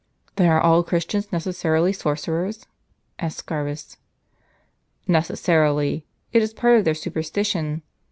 "Then are all Christians necessarily sorcerers?" asked Scaurus. "Necessarily; it is part of their superstition.